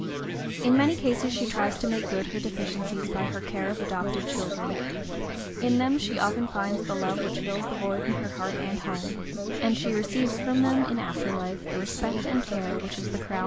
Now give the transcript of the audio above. In many cases she tries to make good her deficiencies by her care of adopted children; in them she often finds the love which fills the void in her heart and home, and she receives from them in after life the respect and care which is the crown of old age.